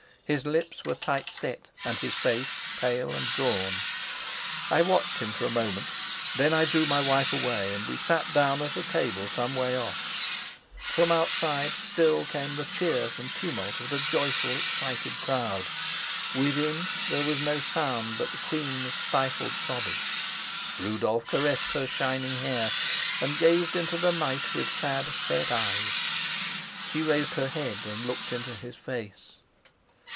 His lips were tight set and his face pale and drawn. I watched him for a moment, then I drew my wife away, and we sat down at a table some way off. From outside still came the cheers and tumult of the joyful, excited crowd. Within there was no sound but the queen's stifled sobbing. Rudolf caressed her shining hair and gazed into the night with sad, set eyes. She raised her head and looked into his face.